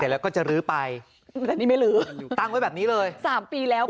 แล้วก็จะลื้อไปแต่นี่ไม่ลื้อตั้งไว้แบบนี้เลยสามปีแล้ว